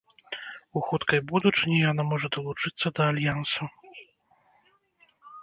У хуткай будучыні яна можа далучыцца да альянсу.